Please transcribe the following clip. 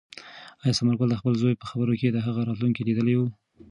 آیا ثمرګل د خپل زوی په خبرو کې د هغه راتلونکی لیدلی و؟